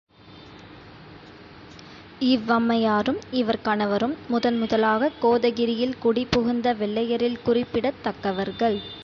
இவ்வம்மையாரும், இவர் கணவரும் முதன் முதலாகக் கோதகிரியில் குடி புகுந்த வெள்ளையரில் குறிப்பிடத் தக்கவர்கள்.